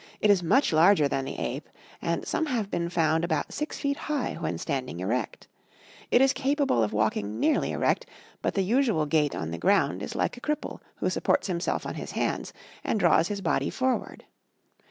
It is much larger than the ape, and some have been found about six feet high, when standing erect. It is capable of walking nearly erect; but the usual gait on the ground is like a cripple who supports himself on his hands, and draws his body forward.